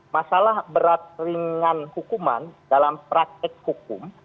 masalah berat ringan hukuman dalam praktek hukum